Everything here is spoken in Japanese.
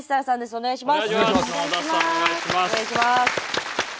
お願いします。